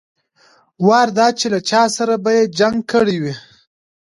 وار دا چې له چا سره به يې جنګ کړى وي.